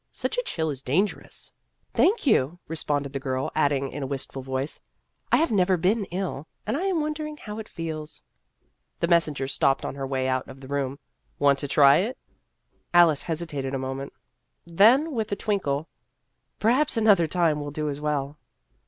Such a chill is dangerous." io Vassar Studies " Thank you," responded the girl, adding in a wistful voice, " I have never been ill, and I am wondering how it feels." The messenger stopped on her way out of the room. " Want to try it ?" Alice hesitated a moment ; then with a twinkle, " Perhaps another time will do as well."